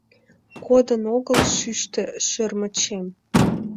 Кодын огыл шӱштӧ шӧрмычем